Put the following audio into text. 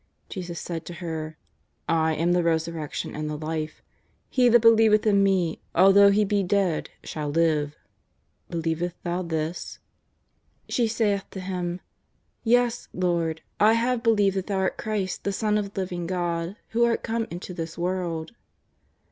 Jesus said to her: "I am the resurrection and the life ; he that believeth in Me, although he be dead, shall live Believest thou this ?" She saith to Him: "Yea, Lord, I have believed that Thou art Christ the Son of the living God, who art come into this world."